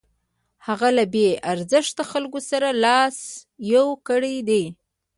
هغه له بې ارزښتو خلکو سره لاس یو کړی دی.